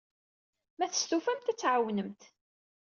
Ma testufamt, ad t-tɛawnemt.